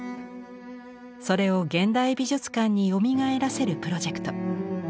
それを現代美術館によみがえらせるプロジェクト。